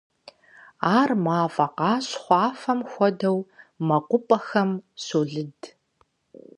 Ахэр мафӀэ къащхъуафэм хуэдэу мэкъупӀэхэм щолыд.